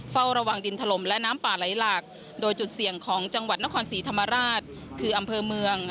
เฝ้าระวังดินถล่มและน้ำป่าไหลหลากโดยจุดเสี่ยงของจังหวัดนครศรีธรรมราชคืออำเภอเมือง